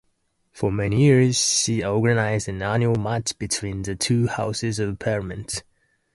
For many years she organized an annual match between the two Houses of Parliament.